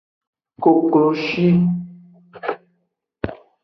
Kokloshi.